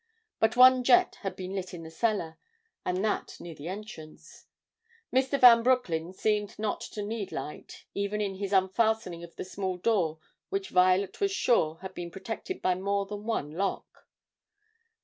But one jet had been lit in the cellar and that near the entrance. Mr. Van Broecklyn seemed not to need light, even in his unfastening of the small door which Violet was sure had been protected by more than one lock.